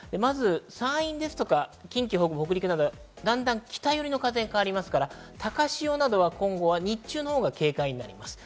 まず山陰ですとか、近畿北部、北陸などではだんだん北よりの風に変わりますので、高潮などは今後、日中のほうが警戒になります。